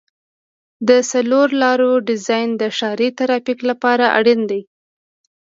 د څلور لارو ډیزاین د ښاري ترافیک لپاره اړین دی